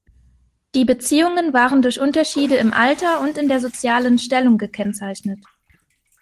Die Beziehungen waren durch Unterschiede im Alter und in der sozialen Stellung gekennzeichnet.